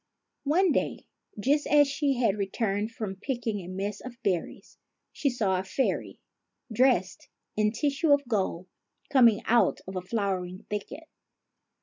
One day, just as she had returned from picking a mess of berries, she saw a fairy, dressed in tissue of gold, coming out of a flowery thicket.